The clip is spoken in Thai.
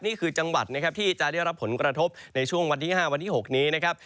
นี่คือจังหวัดนะครับที่จะได้รับผลกระทบในช่วงวันที่๕วันที่๖นี้นะครับ